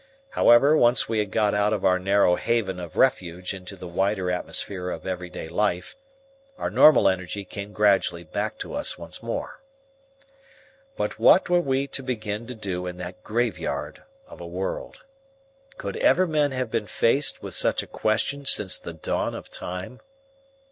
However, once we had got out of our narrow haven of refuge into the wider atmosphere of everyday life, our normal energy came gradually back to us once more. But what were we to begin to do in that graveyard of a world? Could ever men have been faced with such a question since the dawn of time?